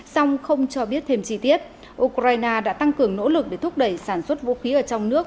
song không cho biết thêm chi tiết ukraine đã tăng cường nỗ lực để thúc đẩy sản xuất vũ khí ở trong nước